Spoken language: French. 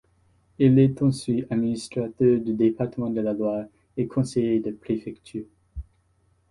Il est ensuite administrateur du département de la Loire et conseiller de préfecture.